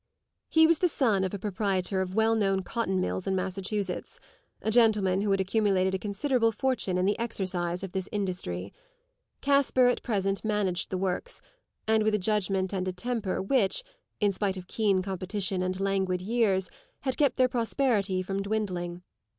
He was the son of a proprietor of well known cotton mills in Massachusetts a gentleman who had accumulated a considerable fortune in the exercise of this industry. Caspar at present managed the works, and with a judgement and a temper which, in spite of keen competition and languid years, had kept their prosperity from dwindling.